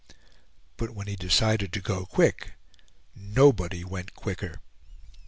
But when he decided to go quick, nobody went quicker.